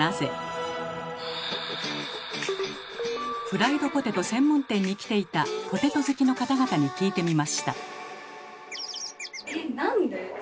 フライドポテト専門店に来ていたポテト好きの方々に聞いてみました。